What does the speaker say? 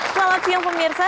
selamat siang pemirsa